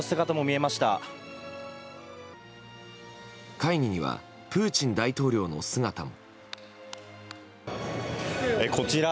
会議にはプーチン大統領の姿も。